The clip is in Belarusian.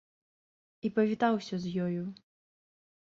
І павітаўся з ёю.